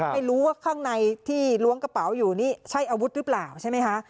ไม่รู้ว่าข้างในที่ล้วงกระเป๋าอยู่นี่ใช่อาวุธหรือเปล่าใช่ไหมคะ